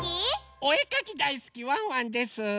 おえかきだいすきワンワンです！